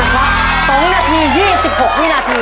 นะคะ๒นาที๒๖มินาที